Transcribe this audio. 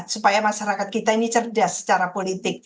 supaya masyarakat kita ini cerdas secara politik